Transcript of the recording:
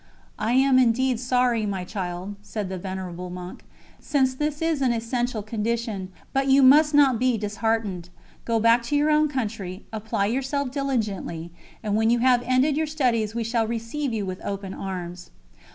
"I am indeed sorry, my child," said the venerable monk, "since this is an essential condition, but you must not be disheartened. Go back to your own country, apply yourself diligently, and when you have ended your studies we shall receive you with open arms."